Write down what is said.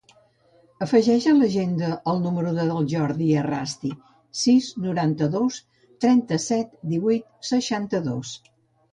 Afegeix a l'agenda el número del Jordi Errasti: sis, noranta-dos, trenta-set, divuit, seixanta-dos.